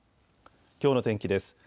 きょうの天気です。